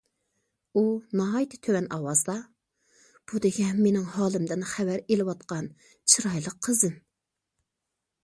ئۇ ناھايىتى تۆۋەن ئاۋازدا: بۇ دېگەن مېنىڭ ھالىمدىن خەۋەر ئېلىۋاتقان چىرايلىق قىزىم.